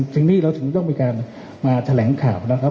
ถึงนี่เราถึงต้องมีการมาแถลงข่าวนะครับ